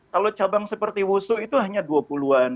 kalau cabang seperti wusu itu hanya dua puluh an